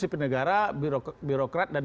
sipil negara birokrat dan